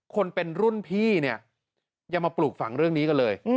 คนเป็นรุ่นพี่เนี่ยยังมาปลูกฝังเรื่องนี้กันเลย